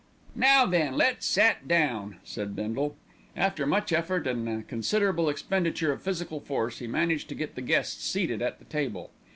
"Now then, let's set down," said Bindle. After much effort and a considerable expenditure of physical force, he managed to get the guests seated at the table.